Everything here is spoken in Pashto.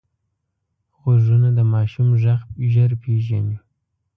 غوږونه د ماشوم غږ ژر پېژني